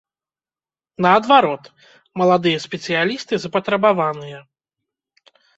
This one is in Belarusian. Наадварот, маладыя спецыялісты запатрабаваныя.